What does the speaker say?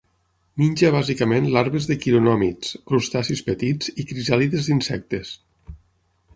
Menja bàsicament larves de quironòmids, crustacis petits i crisàlides d'insectes.